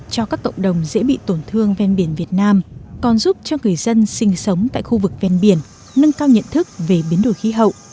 cho các cộng đồng dễ bị tổn thương ven biển việt nam còn giúp cho người dân sinh sống tại khu vực ven biển nâng cao nhận thức về biến đổi khí hậu